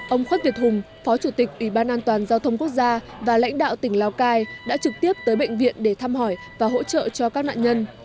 ông khuất việt hùng phó chủ tịch ủy ban an toàn giao thông quốc gia và lãnh đạo tỉnh lào cai đã trực tiếp tới bệnh viện để thăm hỏi và hỗ trợ cho các nạn nhân